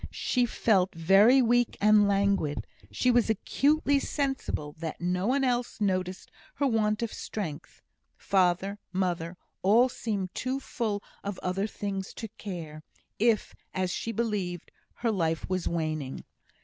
She felt very weak and languid; she was acutely sensible that no one else noticed her want of strength; father, mother, all seemed too full of other things to care if, as she believed, her life was waning.